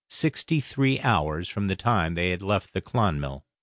sixty three hours from the time they left the 'Clonmel'.